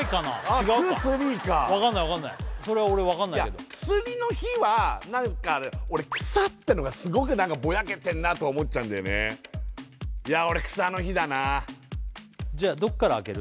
違うかわかんないわかんないそれは俺わかんないけどいや薬の日はなんか俺草ってのがすごくぼやけてんなと思っちゃうんだねいや俺草の日だなじゃあどっから開ける？